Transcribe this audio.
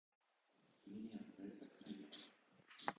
君には見られたくない山だった